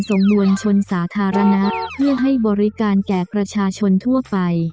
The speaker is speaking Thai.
มวลชนสาธารณะเพื่อให้บริการแก่ประชาชนทั่วไป